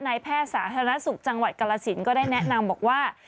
แพทย์สาธารณสุขจังหวัดกรสินก็ได้แนะนำบอกว่า